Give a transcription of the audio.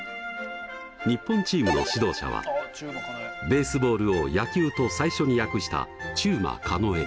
日本チームの指導者はベースボールを「野球」と最初に訳した中馬庚。